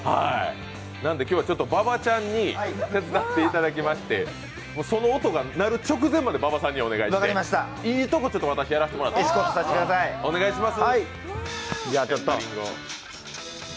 なので今日、馬場ちゃんに手伝っていただきましてその音が鳴る直前まで馬場さんにお願いして、いいとこ、私、やらせてもらいます。